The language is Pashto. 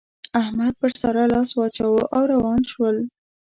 احمد پر سارا لاس واچاوو او روان شول.